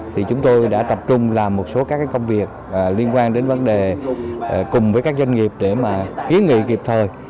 thì chúng tôi đã tập trung làm một số các công việc liên quan đến vấn đề cùng với các doanh nghiệp để mà kiến nghị kịp thời